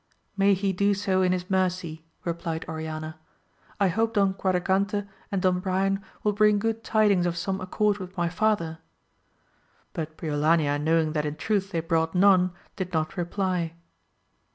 May he do so in his mercy ! replied AMADIS OF GAUL: 131 Oriana, I hope Don Quadragante and Don Brian will bring good tidings of some accord with my father ! but Briolania knowing that in truth they brought none, did not reply.